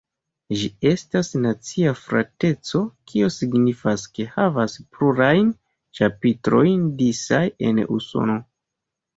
Ĝi estas nacia frateco, kio signifas ke havas plurajn ĉapitrojn disaj en Usono.